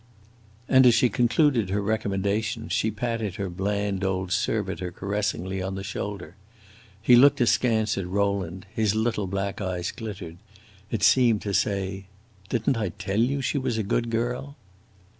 And as she concluded her recommendations, she patted her bland old servitor caressingly on the shoulder. He looked askance at Rowland; his little black eye glittered; it seemed to say, "Did n't I tell you she was a good girl!"